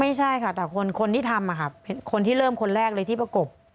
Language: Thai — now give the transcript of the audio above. ไม่ใช่ค่ะแต่คนที่ทำคนที่เริ่มคนแรกเลยที่ประกบ